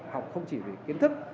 học không chỉ về kiến thức